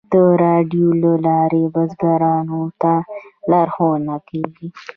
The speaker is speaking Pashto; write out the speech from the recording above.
د راډیو له لارې بزګرانو ته لارښوونه کیږي.